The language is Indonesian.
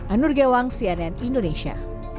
anur gewang cnn indonesia